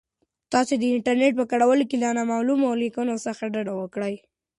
تاسو د انټرنیټ په کارولو کې له نامعلومو لینکونو څخه ډډه وکړئ.